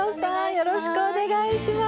よろしくお願いします。